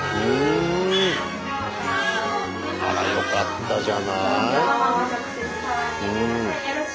あらよかったじゃない。